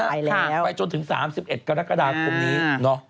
ไปแล้วไปจนถึง๓๑กรกฎาคมนี้เนอะ